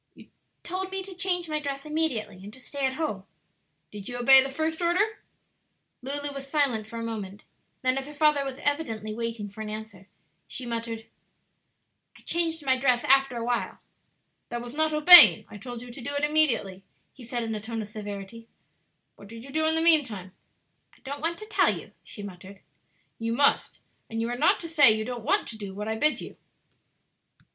"You told me to change my dress immediately and to stay at home." "Did you obey the first order?" Lulu was silent for a moment; then as her father was evidently waiting for an answer, she muttered, "I changed my dress after a while." "That was not obeying; I told you to do it immediately," he said in a tone of severity, "What did you do in the mean time?" "I don't want to tell you," she muttered. "You must; and you are not to say you don't want to do what I bid you.